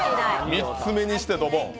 ３つ目にしてドボン。